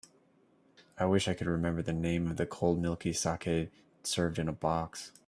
I wish I could remember the name of the cold milky saké served in a box.